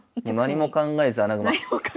何も考えず穴熊。